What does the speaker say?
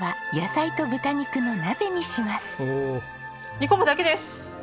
煮込むだけです！